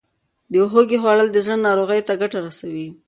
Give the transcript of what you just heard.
د هوږې خوړل د زړه ناروغیو ته ګټه رسوي.